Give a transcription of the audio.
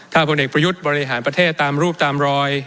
ถ้าพลเอกประยุทธ์บริหารประเทศตามรูปตามรอย